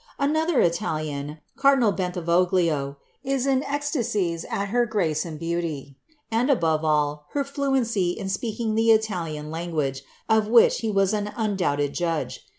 ^' Another Ita lian, cardinal Bentivoglio, is in ecstasies at her grace and beauty, and, ebove all, her fluency in speaking the Italian language, of which he was en undoubted judge.